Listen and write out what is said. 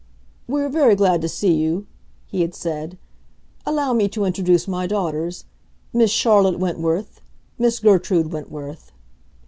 "We are very glad to see you," he had said. "Allow me to introduce my daughters—Miss Charlotte Wentworth, Miss Gertrude Wentworth."